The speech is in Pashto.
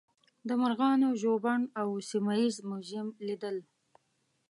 د مرغانو ژوبڼ او سیمه ییز موزیم لیدل.